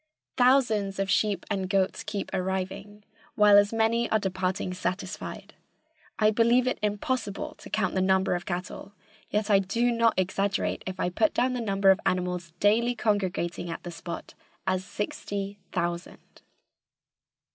Thousands of sheep and goats keep arriving, while as many are departing satisfied. I believe it impossible to count the number of cattle, yet I do not exaggerate if I put down the number of the animals daily congregating at the spot as sixty thousand.